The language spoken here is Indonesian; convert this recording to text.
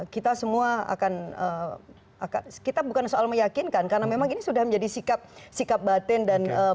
kita semua akan kita bukan soal meyakinkan karena memang ini sudah menjadi sikap batin dan pilihan kita untuk menang